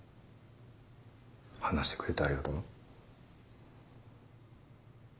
話してくれてありがとな。